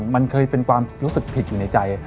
มันเคยเป็นความรู้สึกผิดอยู่ในใจ